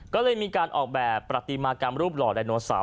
ก็เลยมีการออกแบบประติมากรรมรูปหล่อไดโนเสาร์